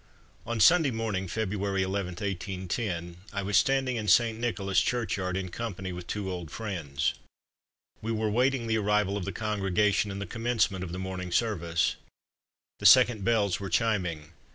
On Sunday morning, February 11, 1810, I was standing in St. Nicholas churchyard, in company with two old friends. We were waiting the arrival of the congregation, and the commencement of the morning service. The second bells were chiming.